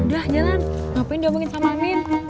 udah jalan ngapain diomongin sama amin